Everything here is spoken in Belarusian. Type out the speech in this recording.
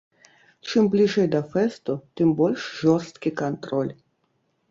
Чым бліжэй да фэсту, тым больш жорсткі кантроль.